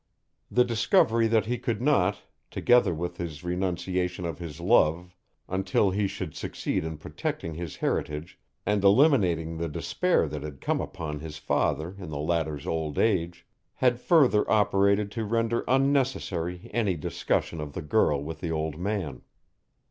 The discovery that he could not, together with his renunciation of his love until he should succeed in protecting his heritage and eliminating the despair that had come upon his father in the latter's old age, had further operated to render unnecessary any discussion of the girl with the old man.